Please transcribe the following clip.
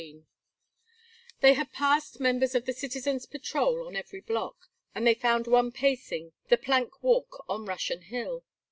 XIV They had passed members of the Citizens' Patrol on every block, and they found one pacing the plank walk on Russian Hill.